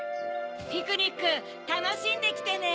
ピクニックたのしんできてね。